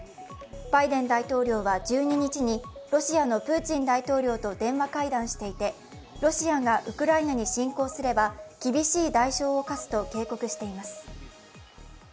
バイデン大統領は１２日にロシアのプーチン大統領と電話会談していてロシアがウクライナに侵攻すれば厳しい代償を科すと警告しています。